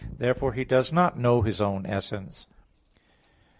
Therefore He does not know His own essence.